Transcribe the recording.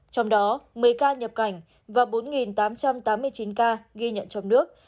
trong đó một mươi ca nhập cảnh và bốn tám trăm tám mươi chín ca ghi nhận trong nước